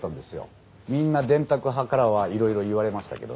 みんな電卓派からはいろいろ言われましたけどね。